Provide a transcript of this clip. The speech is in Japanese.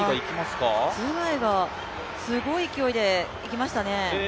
ツェガイがすごい勢いでいきましたね。